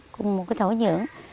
cùng một cái thổ nhưỡng